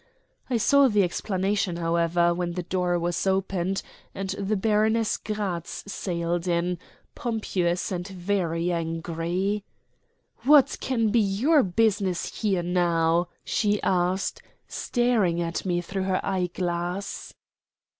I saw the explanation, however, when the door was opened and the Baroness Gratz sailed in, pompous and very angry. "What can be your business here now?" she asked, staring at me through her eyeglass.